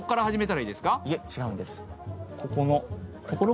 いえ、違うんです。